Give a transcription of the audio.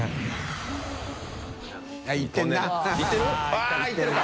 あっいってるか！